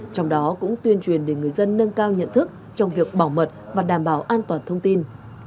trong đó cũng tuyên truyền để người dân nâng cao nhận thức trong việc bảo mật và đảm bảo an toàn thông tin